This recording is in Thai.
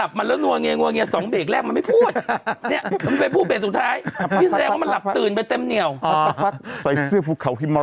ผมก่อนนี้บอกว่าดามขอผ่าท้องลูกขนน่ะแค่งหน่อยได้ไหม